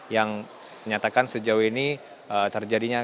yang menyatakan sejauh ini terjadinya